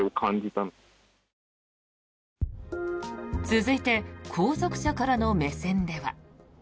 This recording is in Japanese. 続いて後続車からの目線では。